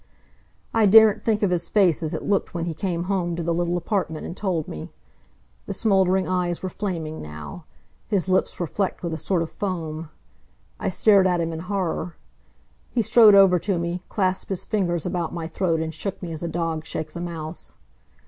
I daren't think of his face as it looked when he came home to the little apartment and told me. The smoldering eyes were flaming now. His lips were flecked with a sort of foam. I stared at him in horror. He strode over to me, clasped his fingers about my throat and shook me as a dog shakes a mouse.